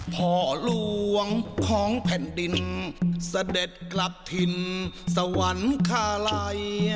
พ่อหลวงของแผ่นดินเสด็จกลับถิ่นสวรรคาลัย